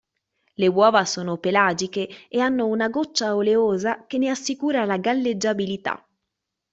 Le uova sono pelagiche e hanno una goccia oleosa che ne assicura la galleggiabilità.